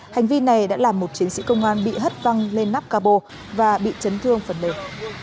hành vi này đã làm một chiến sĩ công an bị hất văng lên nắp cà bồ và bị chấn thương phần nền